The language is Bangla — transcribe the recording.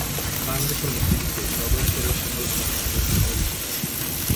বাংলাদেশের মুক্তিযুদ্ধে সর্বস্তরের সকল মানুষ অংশগ্রহণ করেছিল।